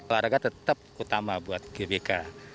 olahraga tetap utama buat gbk